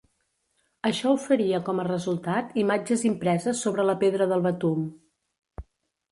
Això oferia com a resultat imatges impreses sobre la pedra del betum.